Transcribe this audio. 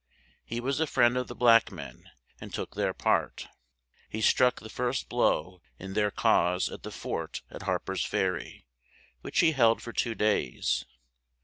He was a friend of the black men, and took their part. He struck the first blow in their cause at the fort at Har per's Fer ry, which he held for two days.